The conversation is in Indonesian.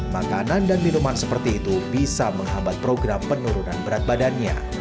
makanan dan minuman seperti itu bisa menghambat program penurunan berat badannya